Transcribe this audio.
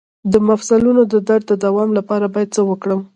د مفصلونو د درد د دوام لپاره باید څه وکړم؟